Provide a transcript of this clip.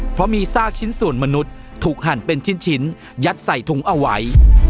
เพราะมีซากชิ้นส่วนมนุษย์ถูกหั่นเป็นชิ้นยัดใส่ถุงเอาไว้